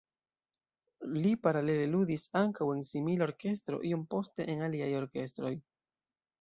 Li paralele ludis ankaŭ en simila orkestro, iom poste en aliaj orkestroj.